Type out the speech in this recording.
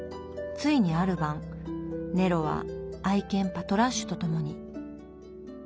ついにある晩ネロは愛犬パトラッシュと共に。